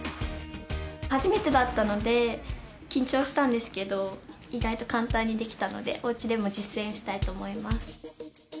初めてだったので緊張したんですけど意外と簡単にできたのでおうちでも実践したいと思います。